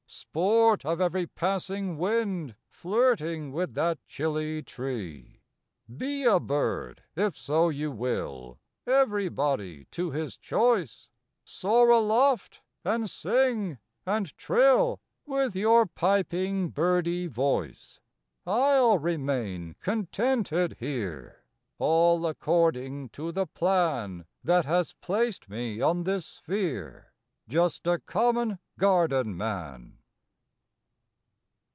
Sport of every passing wind flirting with that chilly tree. March Eighteenth Be a bird if so you will. Everybody to his choice. Soar aloft, and sing, and trill, with your piping birdy voice. I ll remain contented here, all according to the plan That has placed me on this sphere just a common garden man.